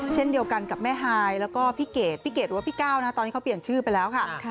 เช่นเดียวกันกับแม่ฮายแล้วก็พี่เกดพี่เกดหรือว่าพี่ก้าวนะตอนนี้เขาเปลี่ยนชื่อไปแล้วค่ะ